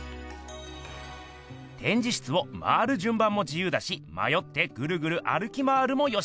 てんじ室を回るじゅん番も自ゆうだしまよってぐるぐる歩き回るもよし。